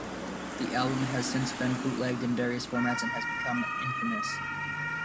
The album has since been bootlegged in various formats and has become infamous.